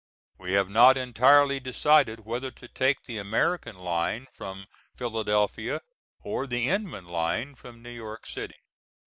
We have not entirely decided whether to take the American line from Philadelphia or the Inman line from New York City.